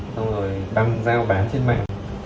xong rồi băng giao bán trên mạng